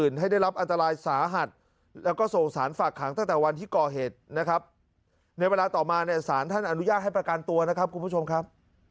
ในเวลาต่อมาเนี่ยสารท่านอนุญาตให้ประกันตัวนะครับคุณผู้ชมครับ